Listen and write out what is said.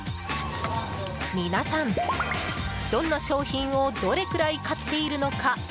皆さん、どんな商品をどれくらい買っているのか。